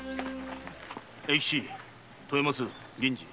永吉豊松銀次。